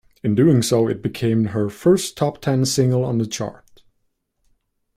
In doing so, it became her first top-ten single on the chart.